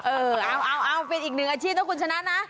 เอาไหมเอาเป็นอีกหนึ่งอาชีพต้องคุณชนะนะ